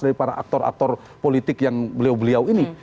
dari para aktor aktor politik yang beliau beliau ini